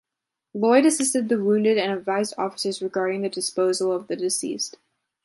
Lloyd assisted the wounded and advised officers regarding the disposal of the deceased.